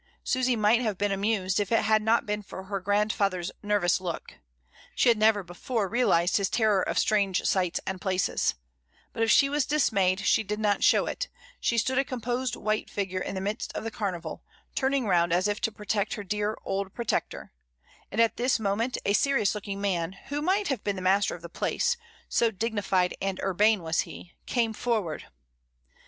Susy might have been amused, if it had not been for her grandfather's nervous look; she had never before realised his terror of strange sights and places; but if she was dismayed, she did not show it, she stood a com posed white figure in the midst of the carnival, turning round as if to protect her dear old pro tector, and at this moment a serious looking man, who might have been the master of the place, so dignified and urbane was he, came forward — 32 MRS. DYMOND.